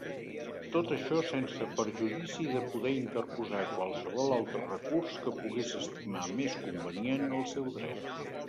Tot això sense perjudici de poder interposar qualsevol altre recurs que pogués estimar més convenient al seu dret.